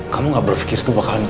kamu gak berpikir tuh bakalan